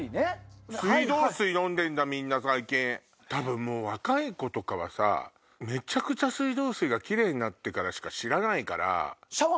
多分若い子とかはさめちゃくちゃ水道水がキレイになってからしか知らないから。